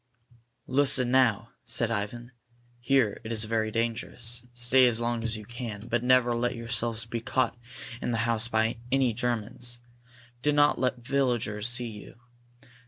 "Listen, now," said Ivan. "Here it is very dangerous. Stay as long as you can, but never let yourselves be caught in the house by any Germans. Do not let the villagers see you.